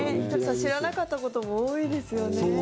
知らなかったことも多いですよね。